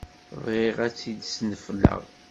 Bɣiɣ ad tt-id-snefleɣ.